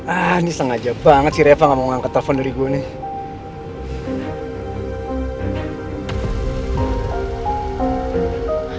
ah ini sengaja banget sih reva gak mau ngangkat telepon dari gue nih